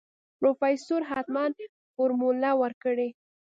پروفيسر حتمن فارموله ورکړې.